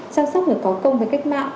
chăm sóc người có công với cách mạng